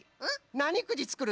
なにくじつくるんじゃ？